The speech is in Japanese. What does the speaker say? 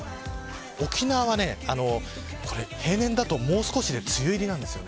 沖縄は平年だともう少しで梅雨入りなんです。